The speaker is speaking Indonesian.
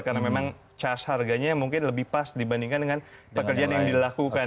karena memang harganya mungkin lebih pas dibandingkan dengan pekerjaan yang dilakukan